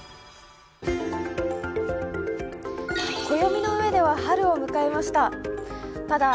暦の上では春を迎えました。